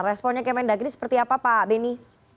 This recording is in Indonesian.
jadi pertanyaannya ke komunikasi kemendagri seperti apa pak beni